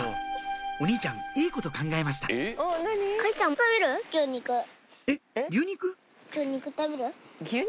お兄ちゃんいいこと考えましたえっ牛肉？